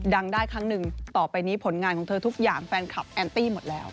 ดังได้ครั้งหนึ่งต่อไปนี้ผลงานของเธอทุกอย่างแฟนคลับแอนตี้หมดแล้ว